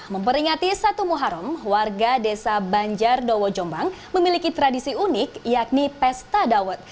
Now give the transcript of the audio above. memperingati satu muharam warga desa banjar dowo jombang memiliki tradisi unik yakni pesta dawet